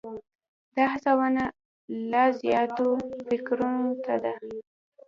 دا هڅونه لا زیاتو فکرونو ته ده.